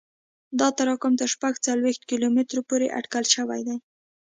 دا تراکم تر شپږ څلوېښت کیلومتره پورې اټکل شوی دی